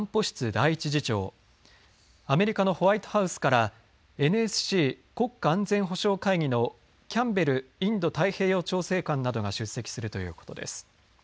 第１次長アメリカのホワイトハウスからＮＳＣ＝国家安全保障会議のキャンベル・インド太平洋調整官などが出席するということです。